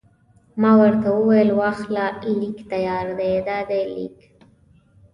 ما ورته وویل: واخله، لیک تیار دی، دا دی لیک.